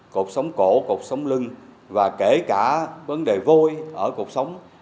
cuộc sống cổ cuộc sống lưng và kể cả vấn đề vôi ở cuộc sống